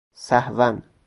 سهواً